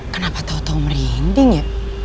kenapa tau tau merinding ya